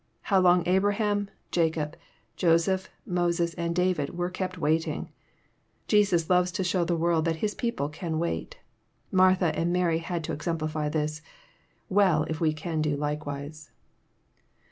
How long Abraham, Jacob, Joseph, Moses, and David were kept waiting I Jesus loves to show the world that His people can wait. Martha and Mary had to exemplify this. Well if we can do likewise